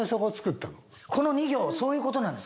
この２行そういうことなんですか？